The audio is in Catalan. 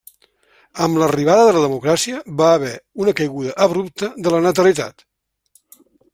Amb l'arribada de la democràcia, va haver una caiguda abrupta de la natalitat.